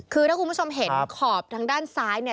คือถ้าคุณผู้ชมเห็นขอบทางด้านซ้ายเนี่ย